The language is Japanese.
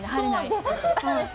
そう出たかったです。